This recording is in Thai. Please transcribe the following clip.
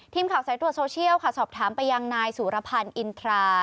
ทีมข่าวสายตรวจโซเชียลค่ะสอบถามไปยังนายสุรพันธ์อินทรา